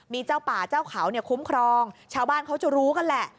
มีเจ้าป่าเจ้าเขาเนี่ยคุ้มครองชาวบ้านเขาจะรู้กันแหละ